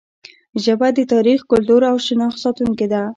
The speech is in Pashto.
ژبه د تاریخ، کلتور او شناخت ساتونکې ده.